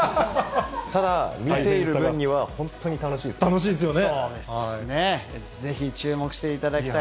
ただ、見ている分には、本当に楽楽しいですよね。